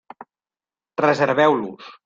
Reserveu-los.